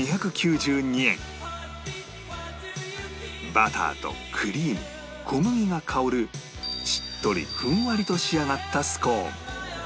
バターとクリーム小麦が香るしっとりふんわりと仕上がったスコーン